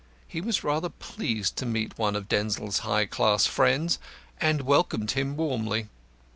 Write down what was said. He was rather pleased to meet one of Denzil's high class friends, and welcomed him warmly.